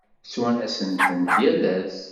Ttwanasen-tent yal ass.